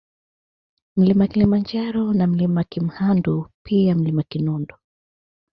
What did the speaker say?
Mlima Kilimanjaro na Mlima Kimhandu pia Mlima Kinondo